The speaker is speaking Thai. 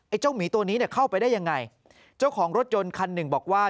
เจ้าหมีตัวนี้เนี่ยเข้าไปได้ยังไงเจ้าของรถยนต์คันหนึ่งบอกว่า